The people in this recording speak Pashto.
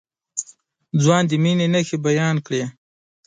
ځوان د مينې نښې بيان کړې.